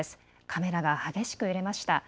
カメラが激しく揺れました。